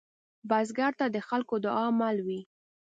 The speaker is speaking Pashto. بزګر ته د خلکو دعاء مل وي